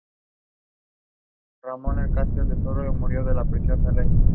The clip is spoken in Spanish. Son aguas relativamente frías pero están libres de hielo a dicha temperatura.